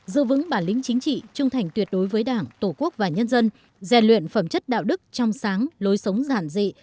giữ vững bản lĩnh chính trị trung thành tuyệt đối với đảng tổ quốc và nhân dân rèn luyện phẩm chất đạo đức trong sáng lối sống giản dị